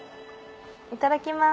いただきます。